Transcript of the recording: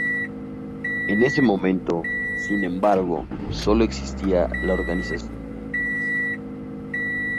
En ese momento, sin embargo, solo existía la organización de empresa.